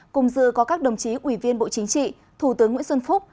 cùng dự có các đồng chí ủy viên bộ chính trị thủ tướng nguyễn xuân phúc